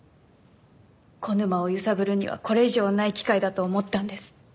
小沼を揺さぶるにはこれ以上ない機会だと思ったんです。